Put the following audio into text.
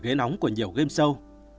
những vấn đề nóng của nhiều game show